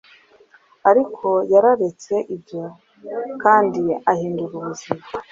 Ariko yararetse ibyo kandi ahindura ubuzima